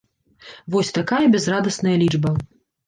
Вось такая бязрадасная лічба.